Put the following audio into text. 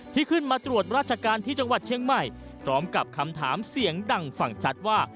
ที่ขึ้นมาตรวจราชการที่จังหวัดเชียงใหม่พร้อมกับคำถามเสียงดังฟังชัดว่า